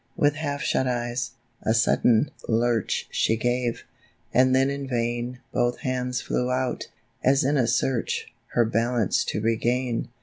With half shut eyes, a sudden lurch She gave, and then in vain Both hands flew out, as in a search, Her balance to regain.